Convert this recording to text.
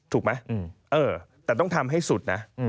ถูกไหมแต่ต้องทำให้สุดนะ